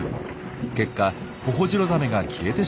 結果ホホジロザメが消えてしまったというんです。